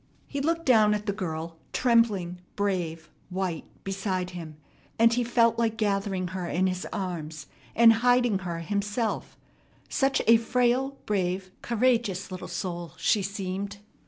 He looked down at the girl, trembling, brave, white, beside him; and he felt like gathering her in his arms and hiding her himself, such a frail, brave, courageous little soul she seemed.